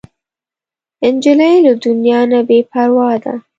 نجلۍ له دنیا نه بې پروا ده.